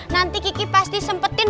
nanti kiki pasti sempetin